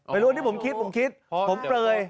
ไม่รู้อันนี้ผมคิดผมคิดผมเปลย